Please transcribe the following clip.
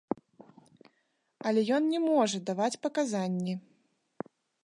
Але ён не можа даваць паказанні.